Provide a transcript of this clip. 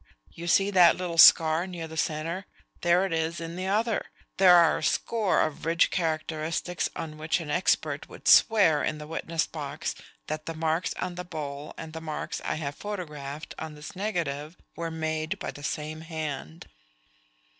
You see that little scar near the center. There it is in the other. There are a score of ridge characteristics on which an expert would swear in the witness box that the marks on that bowl and the marks I have photographed on this negative were made by the same hand."